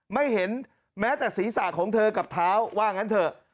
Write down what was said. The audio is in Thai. ไม่เห็นแม้แต่ศีรษะของเธอกับเท้าว่างั้นเถอะ